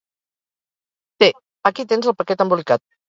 Té, aquí tens el paquet embolicat.